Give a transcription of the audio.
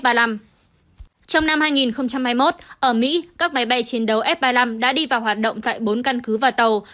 trong năm hai nghìn hai mươi một ở mỹ các máy bay chiến đấu f ba mươi năm đã đi vào hoạt động tại bốn căn cứ và tàu